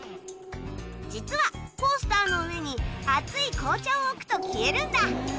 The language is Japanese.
実はコースターの上に熱い紅茶を置くと消えるんだ。